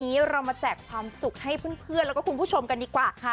วันนี้เรามาแจกความสุขให้เพื่อนแล้วก็คุณผู้ชมกันดีกว่าค่ะ